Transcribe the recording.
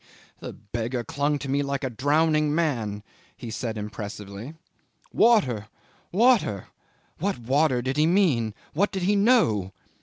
'"The beggar clung to me like a drowning man," he said impressively. "Water, water! What water did he mean? What did he know?